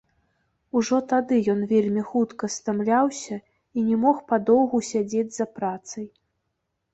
Ужо тады ён вельмі хутка стамляўся і не мог падоўгу сядзець за працай.